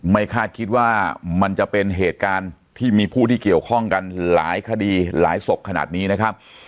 คาดคิดว่ามันจะเป็นเหตุการณ์ที่มีผู้ที่เกี่ยวข้องกันหลายคดีหลายศพขนาดนี้นะครับ